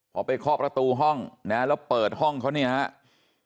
พอไปเคาะประตูห้องนะแล้วเปิดห้องเขาเนี่ยครับ